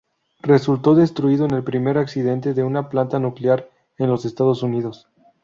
Resultó destruido en el primer accidente de una planta nuclear en los Estados Unidos.